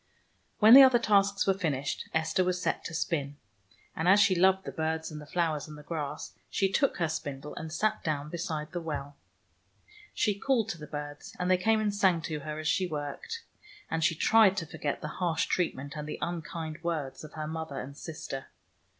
When the other tasks were finished, Esther was set to spin; and as she loved the [ 148 ] OLD MOTHER HOLLE birds and the flowers and the grass, she took her spindle and sat down beside the well. She called to the birds, and they came and sang to her as she worked, and she tried to forget the harsh treatment and the unkind words of her mother and sister.